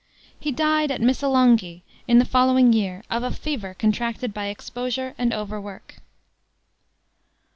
He died at Missolonghi, in the following year, of a fever contracted by exposure and overwork.